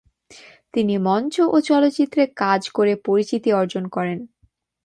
তিনি মঞ্চ ও চলচ্চিত্রে কাজ করে পরিচিতি অর্জন করেন।